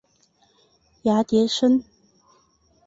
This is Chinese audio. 芽叠生。